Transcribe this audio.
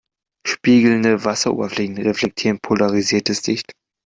Spiegelnde Wasseroberflächen reflektieren polarisiertes Licht.